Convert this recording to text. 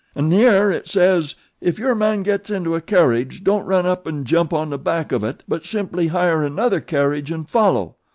'N'ere it sez: 'If your man gets into a carriage don't run up an' jump on the back of it; but simply hire another carriage and follow.'